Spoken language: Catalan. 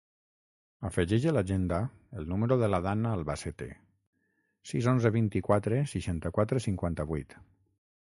Afegeix a l'agenda el número de la Danna Albacete: sis, onze, vint-i-quatre, seixanta-quatre, cinquanta-vuit.